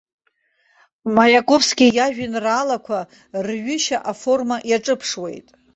Маиаковски иажәеинраалақәа рҩышьа аформа иаҿыԥшуеит.